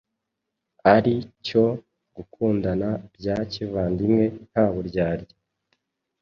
ari cyo- “gukundana bya kivandimwe nta buryarya.”